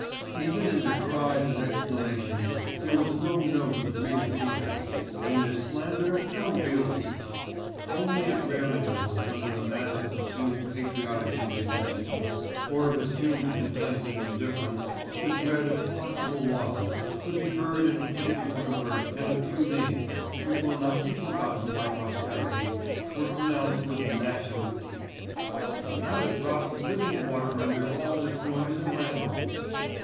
Even in their cries and exclamations, there was no note of real feeling, in their slander no real heat. Only at rare intervals under the mask of assumed patriotic indignation, or of assumed contempt and indifference, the dread of possible losses could be heard in a plaintive whimper, and a few names, which will not be forgotten by posterity, were pronounced with gnashing of teeth ... And not a drop of living water under all this noise and wrangle!